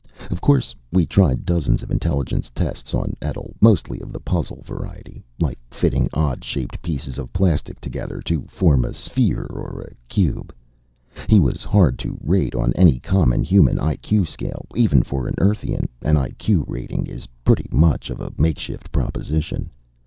Of course we tried dozens of intelligence tests on Etl, mostly of the puzzle variety, like fitting odd shaped pieces of plastic together to form a sphere or a cube. He was hard to rate on any common human I.Q. scale. Even for an Earthian, an I.Q. rating is pretty much of a makeshift proposition.